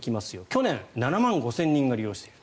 去年は７万５０００人が利用している。